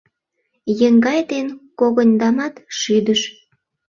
Еҥгай ден когыньдамат шӱдыш.